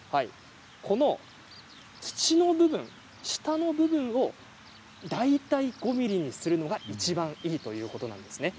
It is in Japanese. この土の部分、下の部分を大体５ｍｍにするのがいちばんいいということなんです。